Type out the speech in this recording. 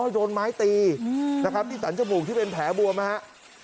อ๋อโดนไม้ตีนะครับที่สรรจบูกที่เป็นแผลบัวมั้ยฮะ